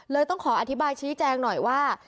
ต้องขออธิบายชี้แจงหน่อยว่า